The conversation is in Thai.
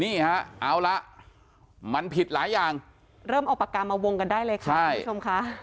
นี่ฮะเอาละมันผิดหลายอย่างเริ่มเอาปากกามาวงกันได้เลยค่ะคุณผู้ชมค่ะ